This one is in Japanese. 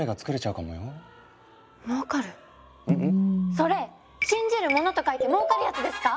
ううん？それ信じる者と書いて儲かるやつですか？